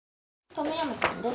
トムヤムクンです。